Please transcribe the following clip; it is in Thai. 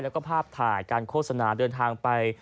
แล้วก็ภาพถ่ายการโฆษณาเดินทางไป